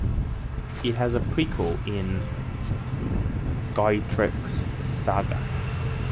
It has a prequel in "Gautreks saga".